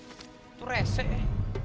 itu rese eh